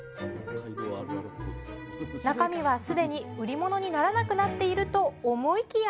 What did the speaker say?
中身は既に売り物にならなくなっていると思いきや。